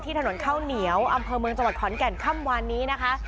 ถนนข้าวเหนียวอำเภอเมืองจังหวัดขอนแก่นค่ำวานนี้นะคะ